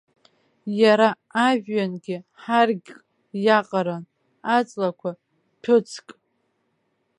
Иара ажәҩангьы ҳаргьк иаҟаран, аҵлақәа ҭәыцк.